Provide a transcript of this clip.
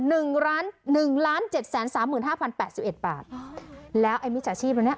หนึ่งล้านหนึ่งล้านเจ็ดแสนสามหมื่นห้าพันแปดสิบเอ็ดบาทอ๋อแล้วไอ้มิจฉาชีพอันเนี้ย